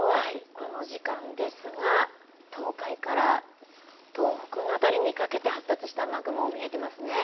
この時間ですが、東海から東北の辺りにかけて発達した雨雲、見えてますね。